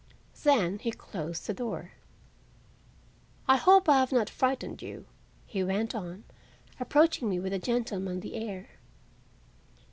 Then he closed the door. "I hope I have not frightened you," he went on, approaching me with a gentlemanly air.